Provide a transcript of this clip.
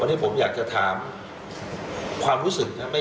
วันนี้ผมอยากจะถามความรู้สึกนะครับ